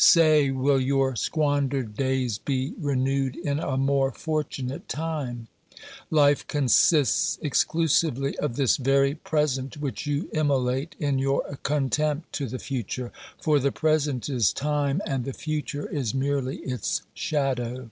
Say, will your squandered days be renewed in a more fortunate time ? Life consists exclusively of this very present which you immolate in your contempt to the future, for the present is time and the future is merely its shadow.